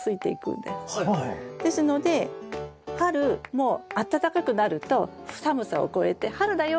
ですので春もう暖かくなると寒さを越えて春だよ